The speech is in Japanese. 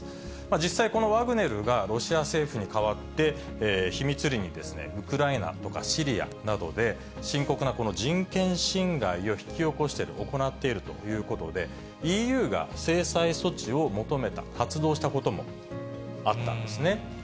実際、このワグネルがロシア政府に代わって秘密裏にウクライナとかシリアなどで、深刻な人権侵害を引き起こしてる、行っているということで、ＥＵが制裁措置を求めた、発動したこともあったんですね。